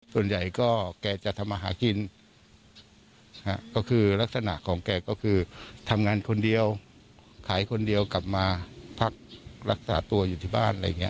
ส่วนใหญ่ก็แคนจะทำอาหารก็คือลักษณะทำงานคนเดียวขายคนเดียวกลับมารักษาตัวอยู่ที่บ้าน